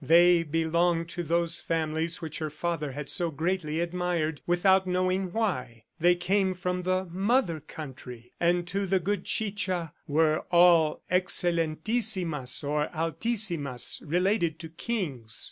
They belonged to those families which her father had so greatly admired without knowing why. They came from the "mother country," and to the good Chicha were all Excelentisimas or Altisimas, related to kings.